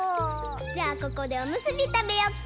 じゃあここでおむすびたべよっか？